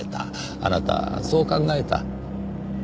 あなたはそう考えた。